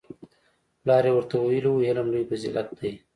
پلار یې ورته ویلي وو علم لوی فضیلت دی